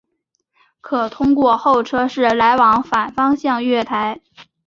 可通过候车室来往反方向月台。